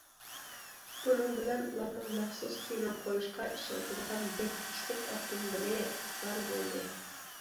بۇنىڭ بىلەن ئۇلارنىڭ مەخسۇس كىنو قويۇشقا ئىشلىتىدىغان يەتتە كىشىلىك ئاپتوموبىلى بار بولدى.